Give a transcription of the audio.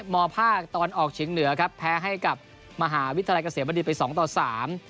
มภาคตะวันออกเฉียงเหนือครับแพ้ให้กับมหาวิทยาลัยเกษมณีไปสองต่อสาม